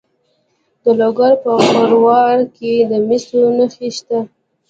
د لوګر په خروار کې د مسو نښې شته.